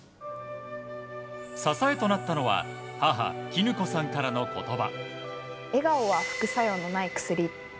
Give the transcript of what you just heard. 支えとなったのは母・キヌ子さんからの言葉。